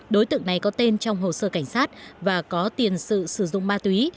đối tượng này có tên trong hồ sơ cảnh sát và có tiền sử dụng ma túy